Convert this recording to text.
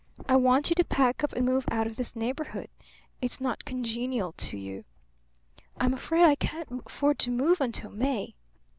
I want you to pack up and move out of this neighbourhood. It's not congenial to you." "I'm afraid I can't afford to move until May."